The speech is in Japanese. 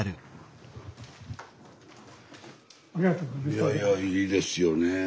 いやいやいいですよね